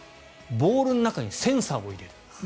ボールの中にセンサーを入れる。